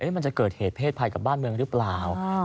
มันจะเกิดเหตุเพศภัยกับบ้านเมืองหรือเปล่า